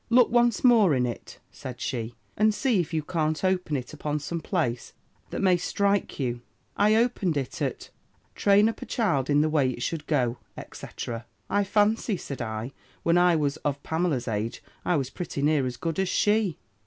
"'Look once more in it,' said she, 'and see if you can't open it upon some place that may strike you.' "I opened it at 'Train up a child in the way it should go,' &c. 'I fancy,' said I, 'when I was of Pamela's age, I was pretty near as good as she.'